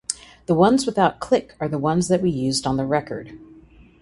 The ones without click are the ones that we used on the record.